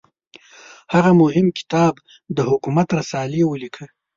هغه مهم کتاب د حکومت رسالې ولیکه.